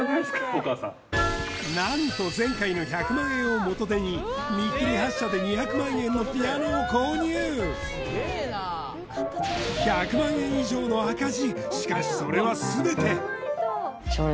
お母さん何と前回の１００万円を元手に見切り発車で２００万円のピアノを購入１００万円以上の赤字